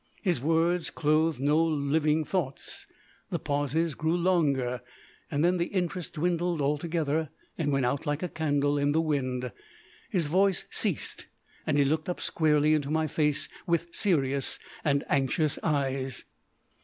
His words clothed no living thoughts. The pauses grew longer. Then the interest dwindled altogether and went out like a candle in the wind. His voice ceased, and he looked up squarely into my face with serious and anxious eyes.